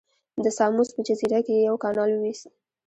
د ساموس په جزیره کې یې یو کانال وویست.